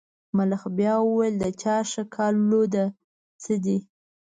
ملخ بیا وویل د چا ښکالو ده څه دي.